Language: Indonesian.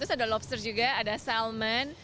terus ada lobster juga ada salmon